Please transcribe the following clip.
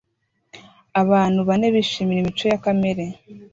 Abantu bane bishimira imico ya kamere